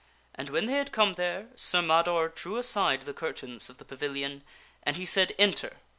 And when they had come there Sir Mador drew aside the curtains of the pavilion, and he said, " Enter!